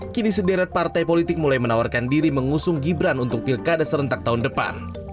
kini sederet partai politik mulai menawarkan diri mengusung gibran untuk pilkada serentak tahun depan